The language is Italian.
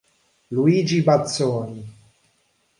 Luigi Bazzoni